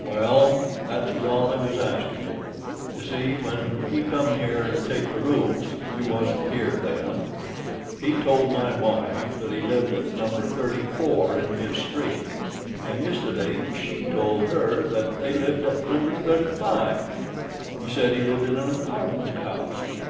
"Well—that was all I wuz askin' ye. Ye see, when he come here to take the rooms—you wasn't here then—he told my wife that he lived at number thirty four in his street. An' yistiddy she told her that they lived at number thirty five. He said he lived in an apartment house.